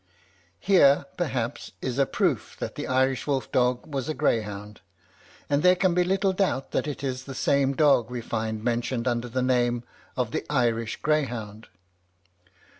Here, perhaps, is a proof that the Irish wolf dog was a greyhound; and there can be little doubt that it is the same dog we find mentioned under the name of the Irish greyhound.